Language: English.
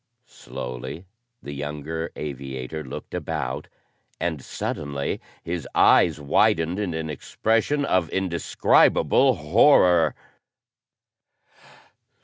Slowly, the younger aviator looked about, and suddenly his eyes widened in an expression of indescribable horror.